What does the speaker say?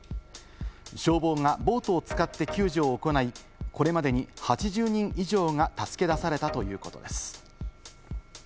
消防がボートを使って救助を行い、これまでに８０人以上が助け出されたということです。